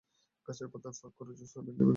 গাছের পাতার ফাঁক দিয়ে জ্যোৎস্না ভেঙে-ভেঙে পড়ছে।